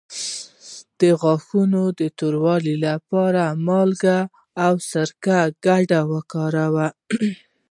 د غاښونو د توروالي لپاره د مالګې او سرکې ګډول وکاروئ